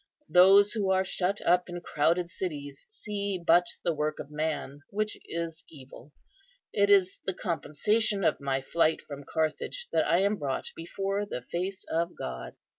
Those who are shut up in crowded cities see but the work of man, which is evil. It is the compensation of my flight from Carthage that I am brought before the face of God."